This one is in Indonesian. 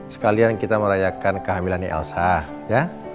sekalian kita merayakan kehamilannya elsa ya